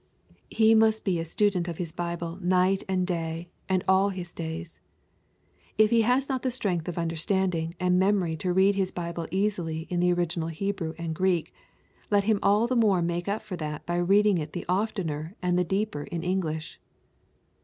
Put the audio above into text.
He must be a student of his Bible night and day and all his days. If he has not the strength of understanding and memory to read his Bible easily in the original Hebrew and Greek, let him all the more make up for that by reading it the oftener and the deeper in English.